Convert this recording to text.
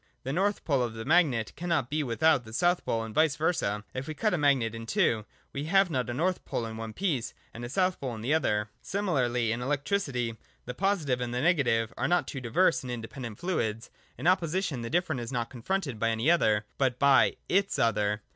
The north pole of the magnet cannot be without the south pole, and vice versa. If we cut a magnet in two, we have not a north pole in one piece, and a south pole in the other. Similarly, in electricity, the positive and the negative are not two diverse and independent fluids. In opposition, the different is not confronted by any other, but by iis other.